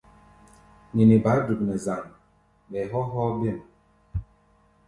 Nini baá duk nɛ zaŋ, ɓɛɛ hɔ́ hɔ́ɔ́-bêm.